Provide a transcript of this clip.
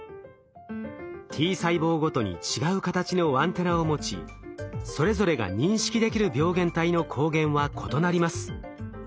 Ｔ細胞ごとに違う形のアンテナを持ちそれぞれが認識できる病原体の抗原は異なります。